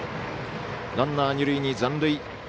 ランナー、二塁に残塁。